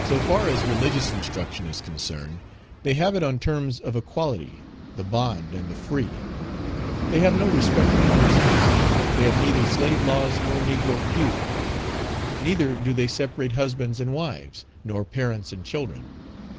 So far as religious instruction is concerned, they have it on terms of equality, the bond and the free; they have no respect of persons, they have neither slave laws nor negro pews. Neither do they separate husbands and wives, nor parents and children.